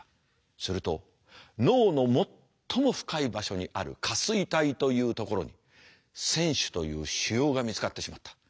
すると脳の最も深い場所にある下垂体というところに腺腫という腫瘍が見つかってしまった。